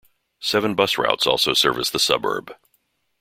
Seven bus routes also service the suburb.